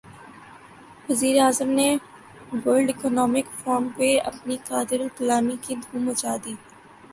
وزیر اعظم نے ورلڈ اکنامک فورم پہ اپنی قادرالکلامی کی دھوم مچا دی